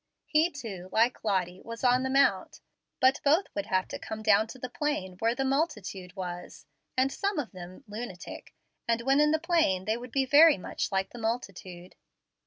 He, too, like Lottie, was on the Mount; but both would soon have to come down to the plain where the "multitude" was, and some of them "lunatic"; and when in the plain they would be very much like the multitude.